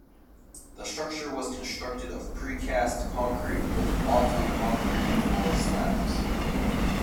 The structure was constructed of precast concrete with waffle concrete floor slabs.